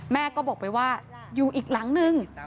แม่ก็บอกไปว่าอยู่อีกหลังนึง